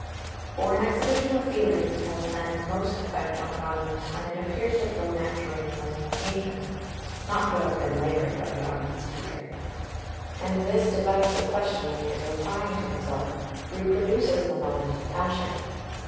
] 2 For an exhibition of feeling has then most effect on an audience when it appears to flow naturally from the occasion, not to have been laboured by the art of the speaker; and this device of questioning and replying to himself reproduces the moment of passion.